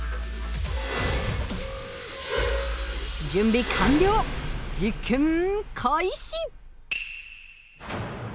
準備完了実験開始！